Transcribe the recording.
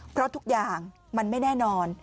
เพราะทุกอย่างมันไม่แน่นอน